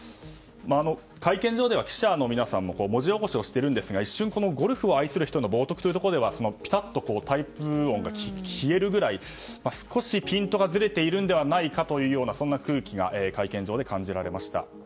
会見場では記者の皆さんも文字起こしをしているんですが一瞬、ゴルフを愛する人への冒涜というところではピタッとタイプ音が消えるぐらい少しピントがずれているのではないかという雰囲気が会見場で感じられました。